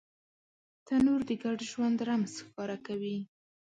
تنور د ګډ ژوند رمز ښکاره کوي